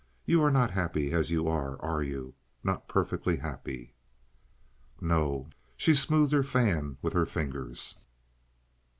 You are not happy as you are, are you? Not perfectly happy?" "No." She smoothed her fan with her fingers.